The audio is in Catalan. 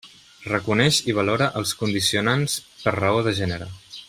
Reconeix i valora els condicionants per raó de gènere.